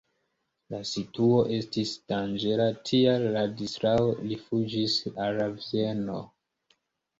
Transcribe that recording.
La situo estis danĝera, tial Ladislao rifuĝis al Vieno.